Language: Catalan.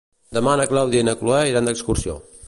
Demà na Clàudia i na Cloè iran d'excursió.